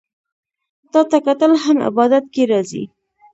تاته کتل هم عبادت کی راځي